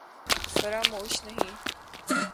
فراموش نہیں